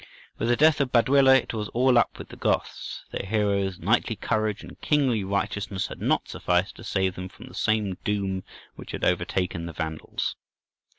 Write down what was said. With the death of Baduila, it was all up with the Goths; their hero's knightly courage and kingly righteousness had not sufficed to save them from the same doom which had overtaken the Vandals.